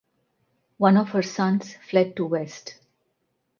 One of her sons fled to West.